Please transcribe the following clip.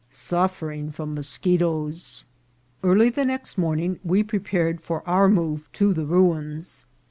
— Suffering from Moschetoes. EARLY the next morning we prepared for our move to the ruins.